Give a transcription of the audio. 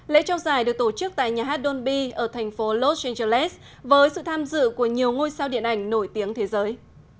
lễ trao giải được tổ chức tại nhà hát donby ở thành phố los angeles với sự tham dự của nhiều ngôi sao điện ảnh nổi tiếng thế giới